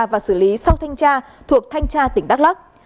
và xử lý sau thanh tra thuộc thanh tra tỉnh đắk lắc